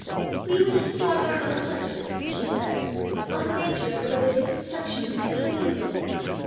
"We wish to form our own judgment," she said, "on the nature of the religious instruction you give your pupil."